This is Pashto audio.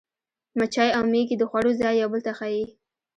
مچۍ او مېږي د خوړو ځای یو بل ته ښيي.